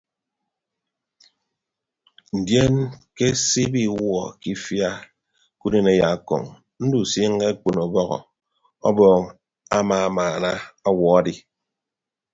Ndion ke se ibi iwuọ ke ifia ke unen ayaakọñ ndusiiñe akekpon ọbọhọ ọbọọñ amamaana ọwuọ adi.